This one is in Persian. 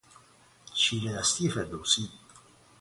چیرهدستی فردوسی